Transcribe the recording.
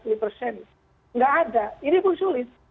tidak ada ini pun sulit